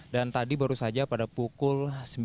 dan tadi baru saja pada pukul sembilan tiga puluh